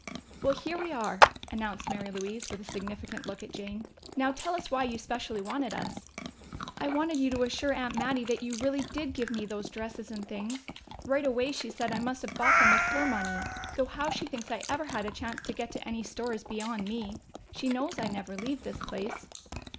"Well, here we are!" announced Mary Louise, with a significant look at Jane. "Now tell us why you specially wanted us." "I wanted you to assure Aunt Mattie that you really did give me those dresses and things. Right away she said I must have bought them with her money. Though how she thinks I ever had a chance to get to any store is beyond me. She knows I never leave this place."